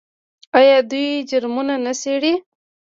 آیا دوی جرمونه نه څیړي؟